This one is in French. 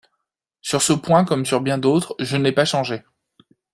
Sur ce point comme sur bien d'autres, je n'ai pas changé.